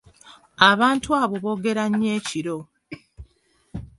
Abantu abo boogera nnyo ekiro.